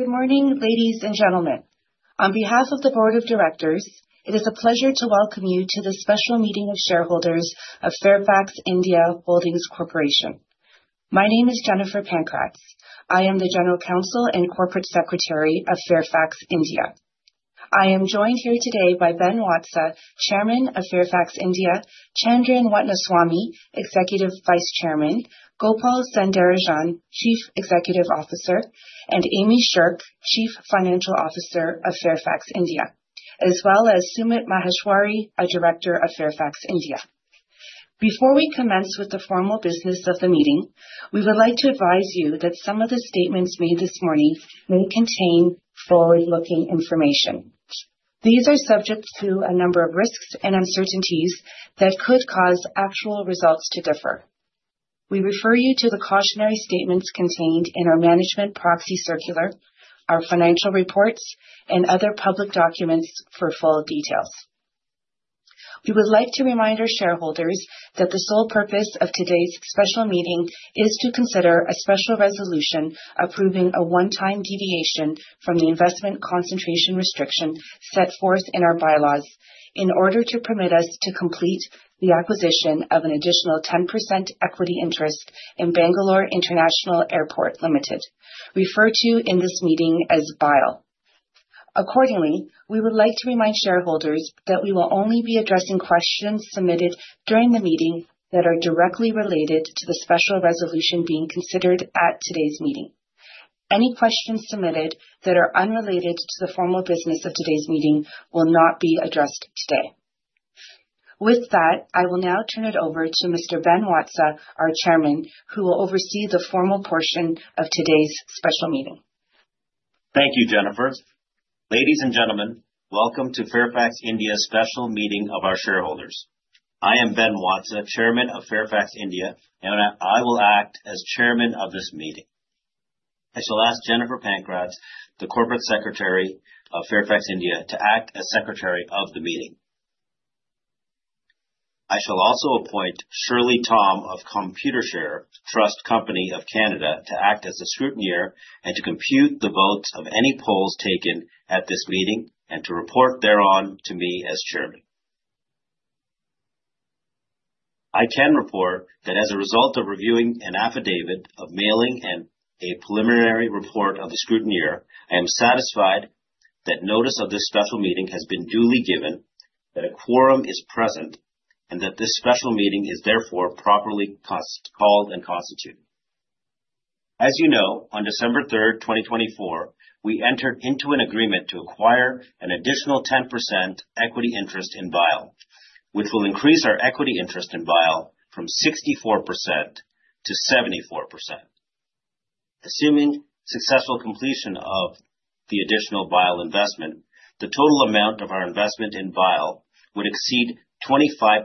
Good morning, ladies and gentlemen. On behalf of the Board of Directors, it is a pleasure to welcome you to the special meeting of shareholders of Fairfax India Holdings Corporation. My name is Jennifer Pankratz. I am the General Counsel and Corporate Secretary of Fairfax India. I am joined here today by Ben Watsa, Chairman of Fairfax India; Chandran Ratnaswami, Executive Vice Chairman; Gopalakrishnan Soundarajan, Chief Executive Officer; and Amy Sherk, Chief Financial Officer of Fairfax India, as well as Sumit Maheshwari, a Director of Fairfax India. Before we commence with the formal business of the meeting, we would like to advise you that some of the statements made this morning may contain forward-looking information. These are subject to a number of risks and uncertainties that could cause actual results to differ. We refer you to the cautionary statements contained in our Management Proxy Circular, our financial reports, and other public documents for full details. We would like to remind our shareholders that the sole purpose of today's special meeting is to consider a special resolution approving a one-time deviation from the investment concentration restriction set forth in our bylaws in order to permit us to complete the acquisition of an additional 10% equity interest in Bangalore International Airport Limited, referred to in this meeting as BIAL. Accordingly, we would like to remind shareholders that we will only be addressing questions submitted during the meeting that are directly related to the special resolution being considered at today's meeting. Any questions submitted that are unrelated to the formal business of today's meeting will not be addressed today. With that, I will now turn it over to Mr. Ben Watsa, our Chairman, who will oversee the formal portion of today's special meeting. Thank you, Jennifer. Ladies and gentlemen, welcome to Fairfax India's special meeting of our shareholders. I am Ben Watsa, Chairman of Fairfax India, and I will act as Chairman of this meeting. I shall ask Jennifer Pankratz, the Corporate Secretary of Fairfax India, to act as Secretary of the meeting. I shall also appoint Shirley Tom of Computershare Trust Company of Canada to act as a scrutineer and to compute the votes of any polls taken at this meeting and to report thereon to me as Chairman. I can report that as a result of reviewing an affidavit of mailing and a preliminary report of the scrutineer, I am satisfied that notice of this special meeting has been duly given, that a quorum is present, and that this special meeting is therefore properly called and constituted. As you know, on December 3rd, 2024, we entered into an agreement to acquire an additional 10% equity interest in BIAL, which will increase our equity interest in BIAL from 64%-74%. Assuming successful completion of the additional BIAL investment, the total amount of our investment in BIAL would exceed 25%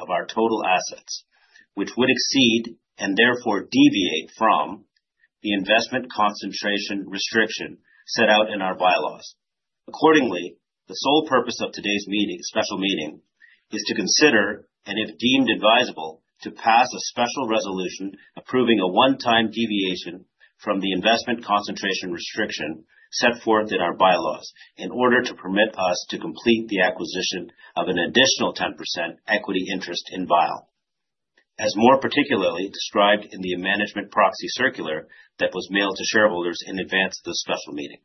of our total assets, which would exceed and therefore deviate from the investment concentration restriction set out in our bylaws. Accordingly, the sole purpose of today's special meeting is to consider, and if deemed advisable, to pass a special resolution approving a one-time deviation from the investment concentration restriction set forth in our bylaws in order to permit us to complete the acquisition of an additional 10% equity interest in BIAL, as more particularly described in the Management Proxy Circular that was mailed to shareholders in advance of the special meeting.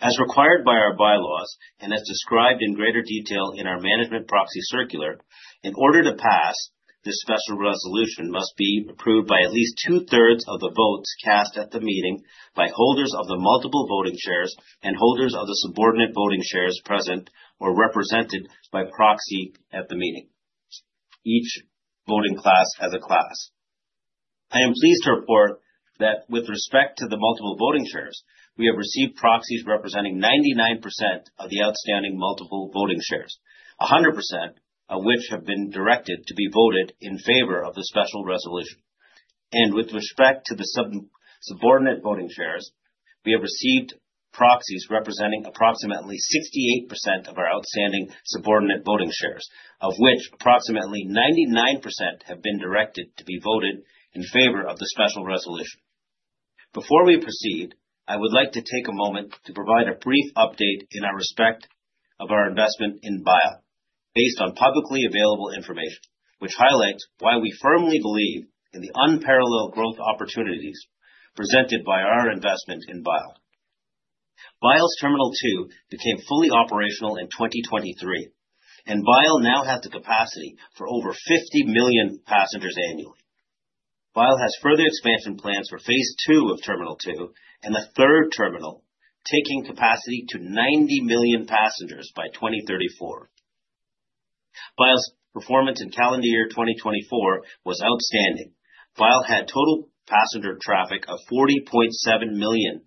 As required by our bylaws and as described in greater detail in our Management Proxy Circular, in order to pass this special resolution, it must be approved by at least two-thirds of the votes cast at the meeting by holders of the multiple voting shares and holders of the subordinate voting shares present or represented by proxy at the meeting. Each voting class has a class. I am pleased to report that with respect to the multiple voting shares, we have received proxies representing 99% of the outstanding multiple voting shares, 100% of which have been directed to be voted in favor of the special resolution. And with respect to the subordinate voting shares, we have received proxies representing approximately 68% of our outstanding subordinate voting shares, of which approximately 99% have been directed to be voted in favor of the special resolution. Before we proceed, I would like to take a moment to provide a brief update in respect of our investment in BIAL based on publicly available information, which highlights why we firmly believe in the unparalleled growth opportunities presented by our investment in BIAL. BIAL's Terminal 2 became fully operational in 2023, and BIAL now has the capacity for over 50 million passengers annually. BIAL has further expansion plans for phase II of Terminal 2 and the third terminal, taking capacity to 90 million passengers by 2034. BIAL's performance in calendar year 2024 was outstanding. BIAL had total passenger traffic of 40.7 million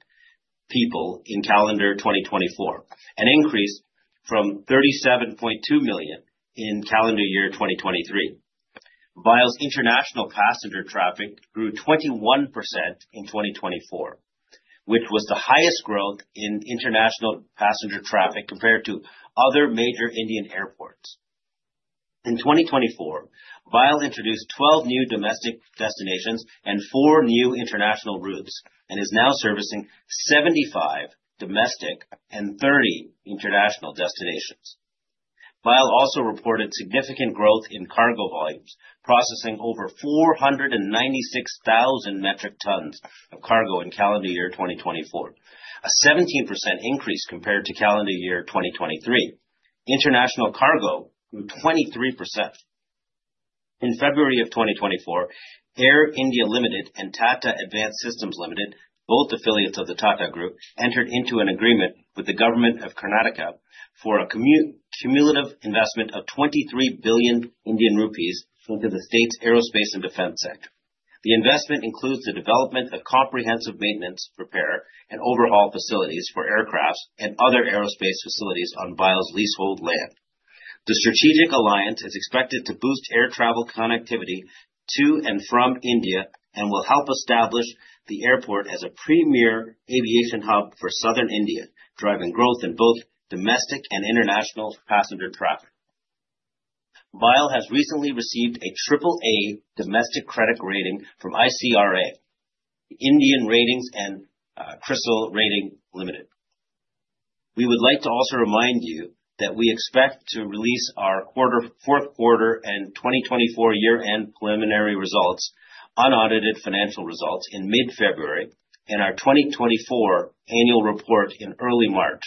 people in calendar year 2024, an increase from 37.2 million in calendar year 2023. BIAL's international passenger traffic grew 21% in 2024, which was the highest growth in international passenger traffic compared to other major Indian airports. In 2024, BIAL introduced 12 new domestic destinations and 4 new international routes and is now servicing 75 domestic and 30 international destinations. BIAL also reported significant growth in cargo volumes, processing over 496,000 metric tons of cargo in calendar year 2024, a 17% increase compared to calendar year 2023. International cargo grew 23%. In February of 2024, Air India Limited and Tata Advanced Systems Limited, both affiliates of the Tata Group, entered into an agreement with the government of Karnataka for a cumulative investment of 23 billion Indian rupees into the state's aerospace and defense sector. The investment includes the development of comprehensive maintenance, repair, and overhaul facilities for aircraft and other aerospace facilities on BIAL's leasehold land. The strategic alliance is expected to boost air travel connectivity to and from India and will help establish the airport as a premier aviation hub for southern India, driving growth in both domestic and international passenger traffic. BIAL has recently received a AAA domestic credit rating from ICRA, India Ratings, and CRISIL Ratings Limited. We would like to also remind you that we expect to release our fourth quarter and 2024 year-end preliminary results, unaudited financial results, in mid-February and our 2024 annual report in early March,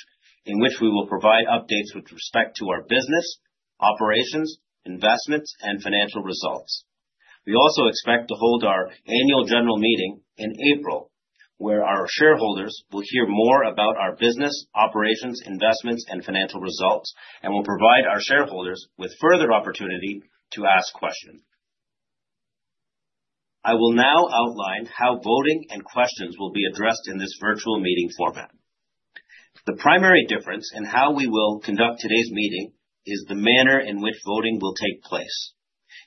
in which we will provide updates with respect to our business, operations, investments, and financial results. We also expect to hold our annual general meeting in April, where our shareholders will hear more about our business, operations, investments, and financial results, and will provide our shareholders with further opportunity to ask questions. I will now outline how voting and questions will be addressed in this virtual meeting format. The primary difference in how we will conduct today's meeting is the manner in which voting will take place.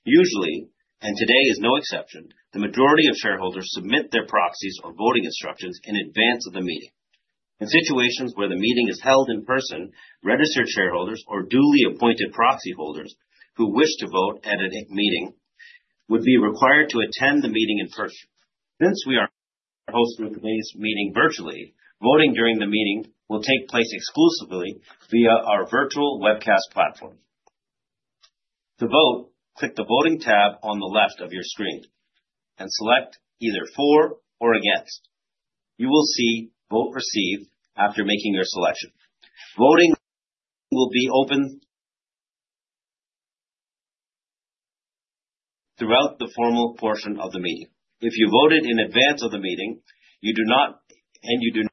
Usually, and today is no exception, the majority of shareholders submit their proxies or voting instructions in advance of the meeting. In situations where the meeting is held in person, registered shareholders or duly appointed proxy holders who wish to vote at a meeting would be required to attend the meeting in person. Since we are hosting today's meeting virtually, voting during the meeting will take place exclusively via our virtual webcast platform. To vote, click the voting tab on the left of your screen and select either for or against. You will see "Vote Received" after making your selection. Voting will be open throughout the formal portion of the meeting. If you voted in advance of the meeting and you do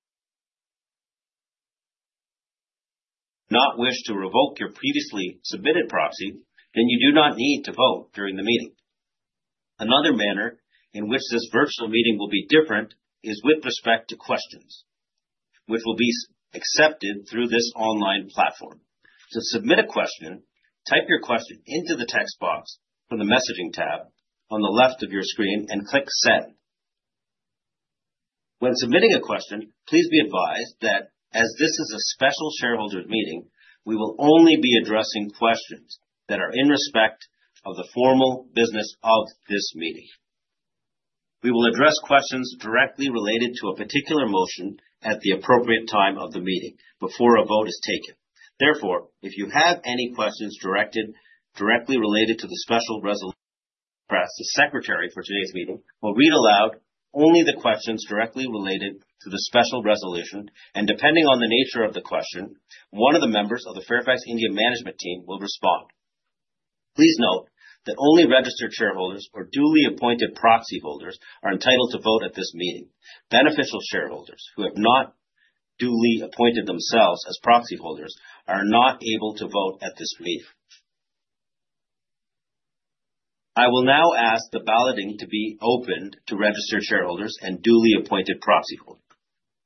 not wish to revoke your previously submitted proxy, then you do not need to vote during the meeting. Another manner in which this virtual meeting will be different is with respect to questions, which will be accepted through this online platform. To submit a question, type your question into the text box from the messaging tab on the left of your screen and click "Send." When submitting a question, please be advised that as this is a special shareholders' meeting, we will only be addressing questions that are in respect of the formal business of this meeting. We will address questions directly related to a particular motion at the appropriate time of the meeting before a vote is taken. Therefore, if you have any questions directly related to the special resolution, the Secretary for today's meeting will read aloud only the questions directly related to the special resolution, and depending on the nature of the question, one of the members of the Fairfax India Management Team will respond. Please note that only registered shareholders or duly appointed proxy holders are entitled to vote at this meeting. Beneficial shareholders who have not duly appointed themselves as proxy holders are not able to vote at this meeting. I will now ask the balloting to be opened to registered shareholders and duly appointed proxy holders.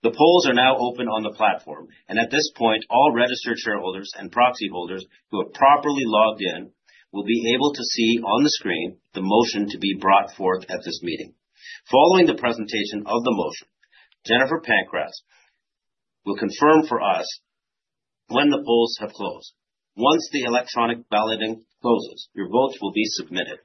The polls are now open on the platform, and at this point, all registered shareholders and proxy holders who have properly logged in will be able to see on the screen the motion to be brought forth at this meeting. Following the presentation of the motion, Jennifer Pankratz will confirm for us when the polls have closed. Once the electronic balloting closes, your votes will be submitted.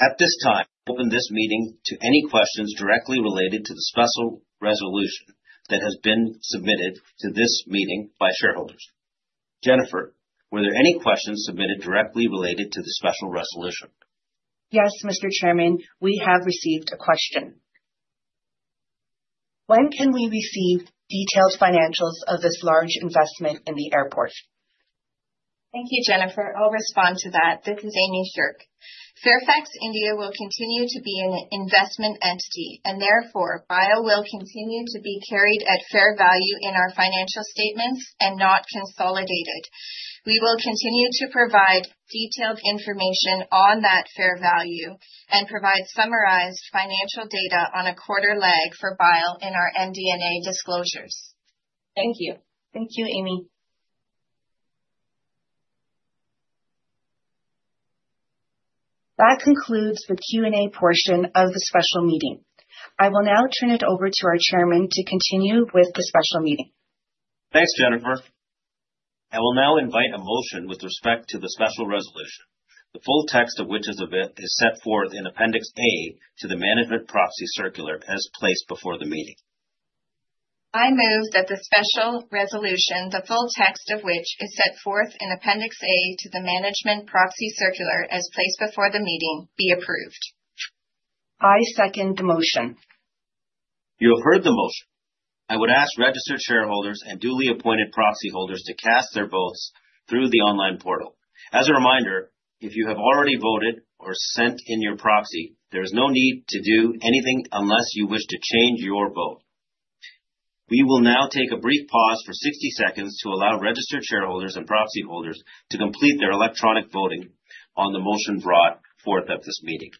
At this time, I will open this meeting to any questions directly related to the special resolution that has been submitted to this meeting by shareholders. Jennifer, were there any questions submitted directly related to the special resolution? Yes, Mr. Chairman. We have received a question. When can we receive detailed financials of this large investment in the airport? Thank you, Jennifer. I'll respond to that. This is Amy Sherk. Fairfax India will continue to be an investment entity, and therefore BIAL will continue to be carried at fair value in our financial statements and not consolidated. We will continue to provide detailed information on that fair value and provide summarized financial data on a quarterly basis for BIAL in our MD&A disclosures. Thank you. Thank you, Amy. That concludes the Q&A portion of the special meeting. I will now turn it over to our Chairman to continue with the special meeting. Thanks, Jennifer. I will now invite a motion with respect to the special resolution, the full text of which is set forth in Appendix A to the Management Proxy Circular as placed before the meeting. I move that the special resolution, the full text of which is set forth in Appendix A to the Management Proxy Circular as placed before the meeting, be approved. I second the motion. You have heard the motion. I would ask registered shareholders and duly appointed proxy holders to cast their votes through the online portal. As a reminder, if you have already voted or sent in your proxy, there is no need to do anything unless you wish to change your vote. We will now take a brief pause for 60 seconds to allow registered shareholders and proxy holders to complete their electronic voting on the motion brought forth at this meeting.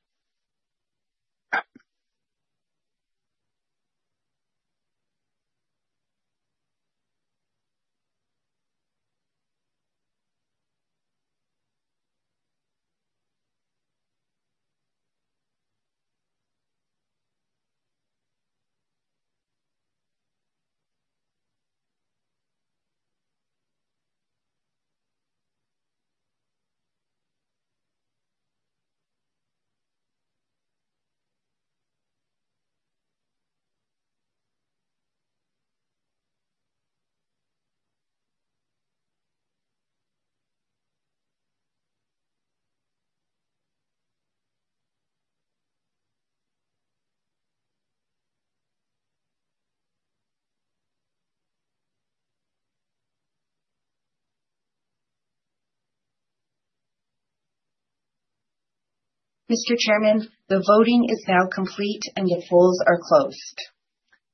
Mr. Chairman, the voting is now complete and the polls are closed.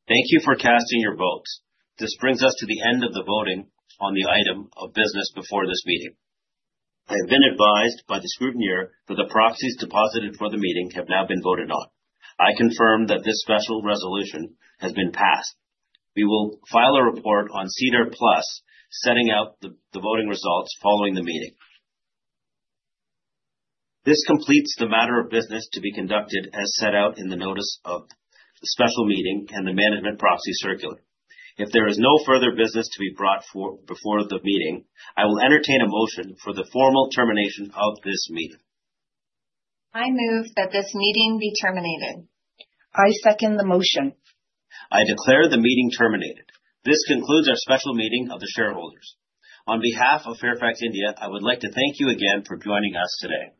Thank you for casting your votes. This brings us to the end of the voting on the item of business before this meeting. I have been advised by the scrutineer that the proxies deposited for the meeting have now been voted on. I confirm that this special resolution has been passed. We will file a report on SEDAR+ setting out the voting results following the meeting. This completes the matter of business to be conducted as set out in the notice of the special meeting and the Management Proxy Circular. If there is no further business to be brought before the meeting, I will entertain a motion for the formal termination of this meeting. I move that this meeting be terminated. I second the motion. I declare the meeting terminated. This concludes our special meeting of the shareholders. On behalf of Fairfax India, I would like to thank you again for joining us today.